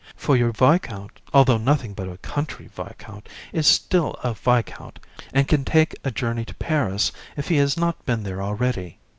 For your viscount, although nothing but a country viscount, is still a viscount, and can take a journey to Paris if he has not been there already.